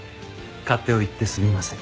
勝手を言ってすみません。